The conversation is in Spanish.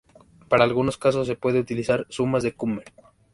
Para algunos casos se puede utilizar sumas de Kummer.